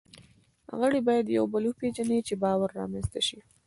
غړي باید یو بل وپېژني، چې باور رامنځ ته شي.